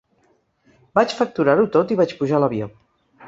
Vaig facturar-ho tot i vaig pujar a l’avió.